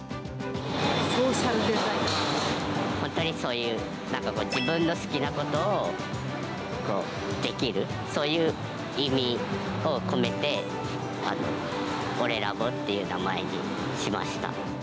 本当にそういう、何か自分の好きなことをできる、そういう意味を込めて、オレラボっていう名前にしました。